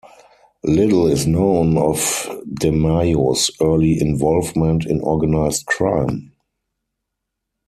Little is known of DeMayo's early involvement in organized crime.